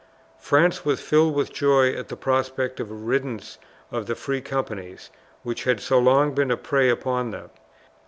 France was filled with joy at the prospect of a riddance of the free companies which had so long been a prey upon them.